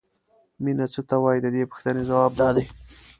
مینه څه ته وایي د دې پوښتنې ځواب دا دی.